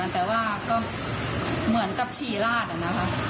แต่ว่าก็เหมือนกับชีราชน่ะค่ะ